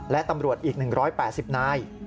และตำรวจอีก๑๘๐นาย